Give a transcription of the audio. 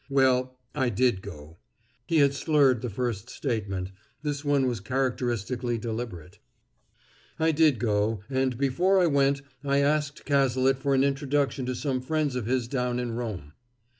"Well, I did go." He had slurred the first statement; this one was characteristically deliberate. "I did go, and before I went I asked Cazalet for an introduction to some friends of his down in Rome."